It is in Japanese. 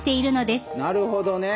なるほどね。